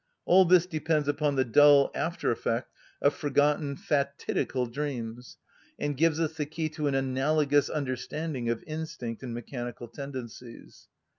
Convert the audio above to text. All this depends upon the dull after‐effect of forgotten fatidical dreams, and gives us the key to an analogous understanding of instinct and mechanical tendencies.